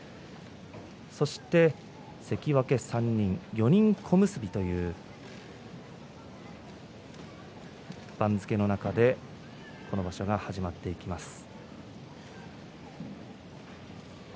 そして、関脇３人４人小結という番付の中でこの場所が始まっていきます。